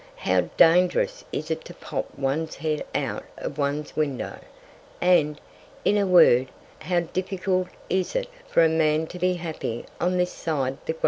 How dangerous is it to pop one's Head out of one's Window? And, in a Word, how difficult is it for a Man to be happy on this Side the Grave?